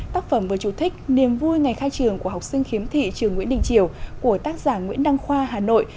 tác phẩm vừa chủ thích niềm vui ngày khai trường của học sinh khiếm thị trường nguyễn đình triều của tác giả nguyễn đăng khoa hà nội